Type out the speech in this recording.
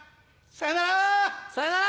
さよなら！